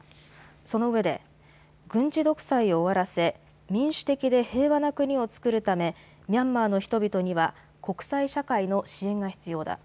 そのうえで軍事独裁を終わらせ民主的で平和な国をつくるためミャンマーの人々には国際社会の支援が必要だ。